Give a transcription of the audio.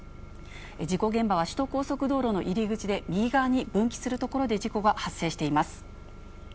事故現場は、首都高速道路の入り口で、右側に分岐する所で事故が発生しています。